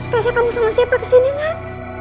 tasya kamu sama siapa kesini nak